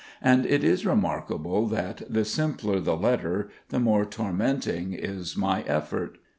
And it is remarkable that, the simpler the letter, the more tormenting is my effort.